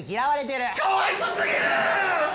かわいそ過ぎる！